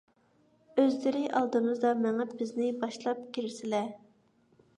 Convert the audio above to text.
ئۆزلىرى ئالدىمىزدا مېڭىپ بىزنى باشلاپ كىرىسلە.